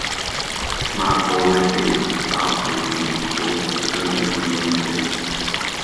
Matt always hated the staff meeting he was forced to attend every Wednesday